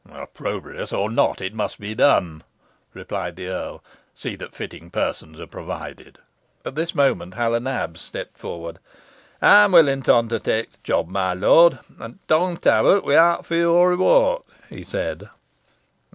"Opprobrious or not, it must be done," replied the earl. "See that fitting persons are provided." At this moment Hal o' Nabs stepped forward. "Ey'm willing t' ondertake t' job, my lord, an' t' hong t' abbut, without fee or rewort," he said.